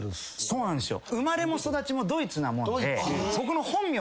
そうなんですよ。